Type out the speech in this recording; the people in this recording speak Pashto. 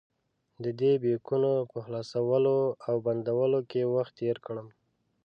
ددې بیکونو په خلاصولو او بندولو کې وخت تېر کړم.